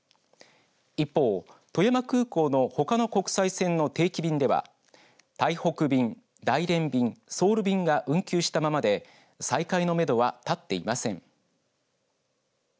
一方、富山空港のほかの国際線の定期便では台北便、大連便、ソウル便が運休したままで再開のめどは立っていません。